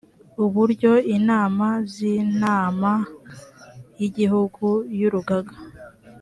uburyo inama z inama y igihugu y urugaga